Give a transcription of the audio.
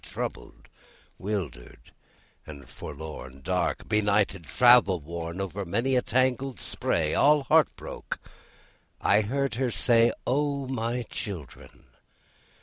Troubled, wildered, and forlorn, Dark, benighted, travel worn, Over many a tangled spray, All heart broke, I heard her say: 'O my children!